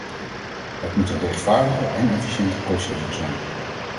Het moet een rechtvaardige en efficiënte procedure zijn.